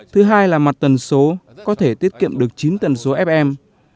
thứ hai là mặt tần số có thể tiết kiệm được chín tần số fm